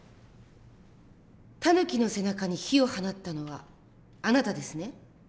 タヌキの背中に火を放ったのはあなたですね？